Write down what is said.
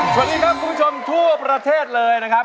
สวัสดีครับคุณผู้ชมทั่วประเทศเลยนะครับ